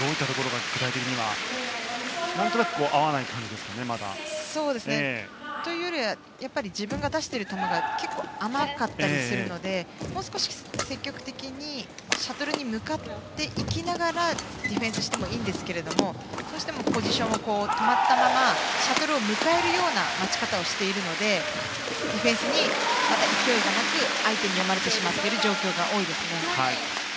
まだ何となく合わない感じですか？というよりはやっぱり自分が出している球が結構、甘かったりするのでもう少し積極的にシャトルに向かっていきながらディフェンスしてもいいんですがどうしてもポジションが止まったままシャトルを迎えるような待ち方をしているのでディフェンスに勢いがなく相手に読まれてしまっている状況が多いですね。